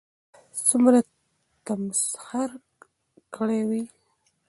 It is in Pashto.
څومره تمسخر كړى وي